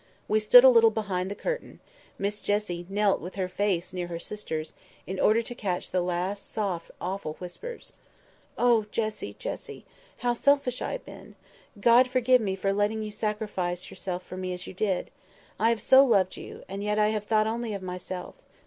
We stood a little behind the curtain: Miss Jessie knelt with her face near her sister's, in order to catch the last soft awful whispers. "Oh, Jessie! Jessie! How selfish I have been! God forgive me for letting you sacrifice yourself for me as you did! I have so loved you—and yet I have thought only of myself.